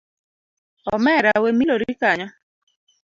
Omera we milori kanyo.